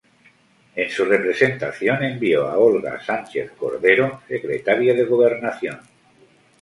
En su representación, envió a Olga Sánchez Cordero, Secretaría de Gobernación.